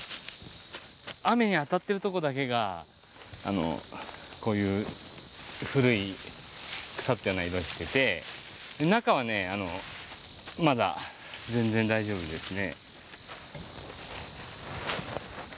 雨に当たってるとこだけがこういう古い腐ったような色してて中はねまだ全然大丈夫ですね。